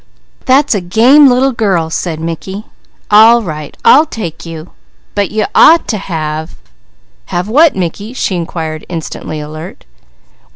"That's a game little girl!" said Mickey. "All right, I'll take you. But you ought to have " "Have what Mickey?" she inquired, instantly alert.